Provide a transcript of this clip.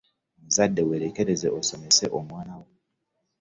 Omuzadde weerekereze osomese omwana wo.